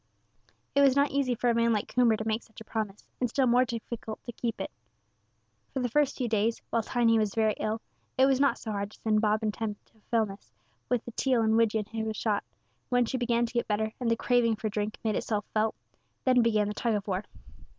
It was not easy for a man like Coomber to make such a promise, and still more difficult to keep it. For the first few days, while Tiny was very ill, it was not so hard to send Bob and Tom to Fellness, with the teal and widgeon he had shot; but when she began to get better, and the craving for the drink made itself felt, then began the tug of war.